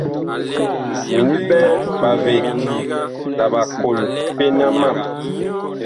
Mini ɓɛ ɓaveg la ɓakol pena mam.